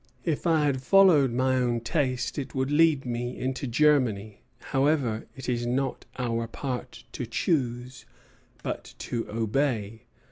If I followed my own taste it would lead me into Germany. However, it is not our part to choose, but to obey.